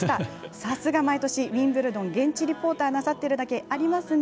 さすが毎年ウィンブルドン現地リポーターしてるだけありますね。